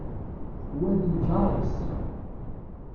Wa d lǧar-is.